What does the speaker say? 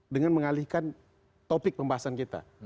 dengan mengalihkan topik pembahasan kita